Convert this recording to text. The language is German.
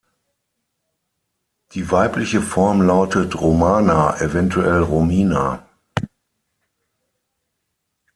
Die weibliche Form lautet "Romana", eventuell "Romina".